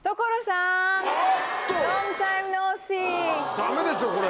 ダメでしょこれ。